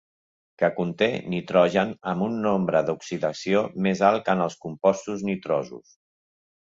Que conté nitrogen amb un nombre d'oxidació més alt que en els compostos nitrosos.